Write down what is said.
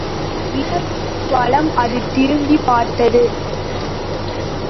இடமிருந்து வலம் அது திரும்பிப்பார்த்தது.